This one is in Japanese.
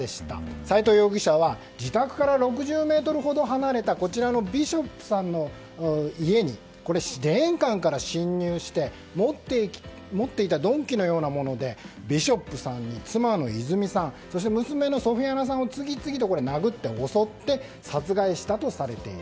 斎藤容疑者は自宅から６０ｍほど離れたビショップさんの家に玄関から侵入して持っていた鈍器のようなものでビショップさんに妻の泉さんそして娘のソフィアナさんを次々と殴って襲って、殺害したとされている。